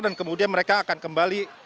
dan kemudian mereka akan kembali